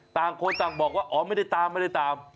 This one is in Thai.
ต่างคนต่างบอกว่าอ๋อไม่ได้ตาม